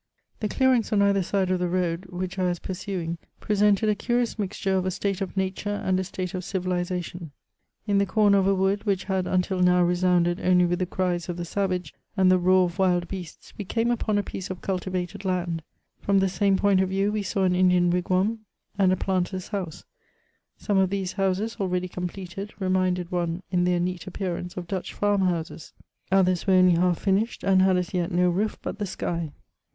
CHATEAUBRIAND. 271 The clearings on either side of the road which I was pursuing presented a curious mixture of a state of nature and a state of civilisation. In the comer of a wood, which had until now re sounded only with the cries of the savage and the roar of wild beasts, we came upon a piece of cultivated land; from the same point of view we saw an Indian wigwam and a planter's house ; some of these houses, already completed, reminded one in their neat appearance of Dutch farm houses ; others were only half finished, and had as yet no roof but the sky.